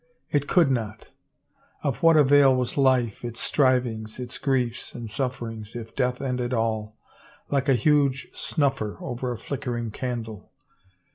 It could not I Of what avail was life, its strivings, its griefs and sufferings, if death ended all, like a huge snuffer over a flickering candle